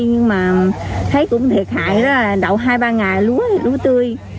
nhưng mà thấy cũng thiệt hại đó là đậu hai ba ngày lúa thì lúa tươi